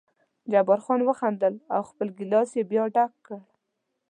جبار خان وخندل او خپل ګیلاس یې بیا ډک کړ.